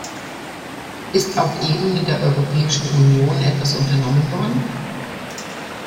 Ist auf Ebene der Europäischen Union etwas unternommen worden?